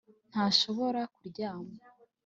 Ntashobora kuryama